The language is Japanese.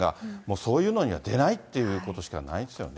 そういうのには出ないということしかないですよね。